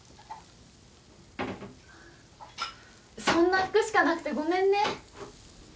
そんな服しかなくてごめんね。